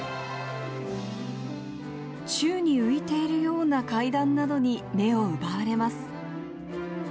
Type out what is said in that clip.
宙に浮いているような階段などに目を奪われます。